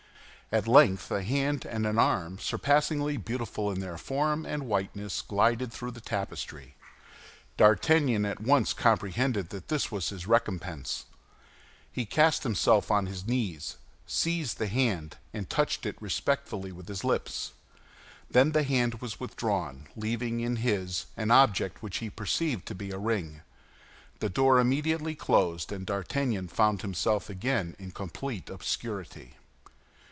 At length a hand and an arm, surpassingly beautiful in their form and whiteness, glided through the tapestry. D'Artagnan at once comprehended that this was his recompense. He cast himself on his knees, seized the hand, and touched it respectfully with his lips. Then the hand was withdrawn, leaving in his an object which he perceived to be a ring. The door immediately closed, and D'Artagnan found himself again in complete obscurity.